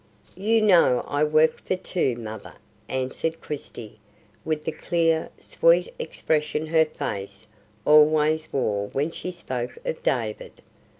"You know I work for two, mother," answered Christie, with the clear, sweet expression her face always wore when she spoke of David.